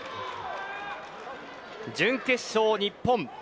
準決勝、日本。